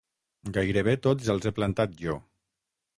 Gairebé tots els he plantat jo.